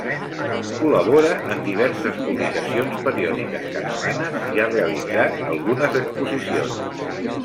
Col·labora en diverses publicacions periòdiques catalanes i ha realitzat algunes exposicions.